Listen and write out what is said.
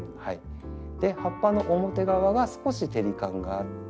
葉っぱの表側は少し照り感があって緑色。